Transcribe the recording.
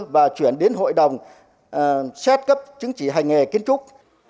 và chuyển đến hội đồng xét cấp chứng chỉ hành nghề kiến trúc